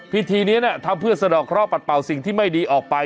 พิธีนี้ทำเพื่อสะดอกเคราะหัดเป่าสิ่งที่ไม่ดีออกไป